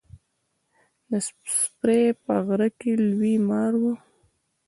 د سپرې په غره کښي لوی مار و.